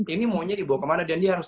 ini maunya dibawa kemana dan dia harus